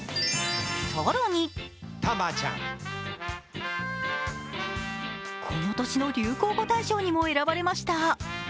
更にこの年の流行語大賞にも選ばれました。